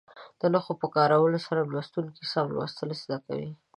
د نښو په کارولو سره لوستونکي سم لوستل زده کوي.